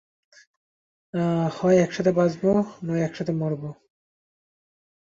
হয় একসাথে বাঁচবো নয় কসাথে মরবো।